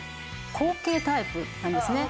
後傾タイプなんですね。